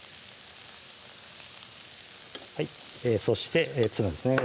そしてツナですね